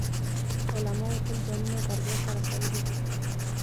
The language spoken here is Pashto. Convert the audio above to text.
علماوو تل ځانونه دربار ته رسولي دي.